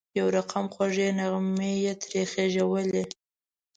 یو رقم خوږې نغمې یې ترې خېژولې.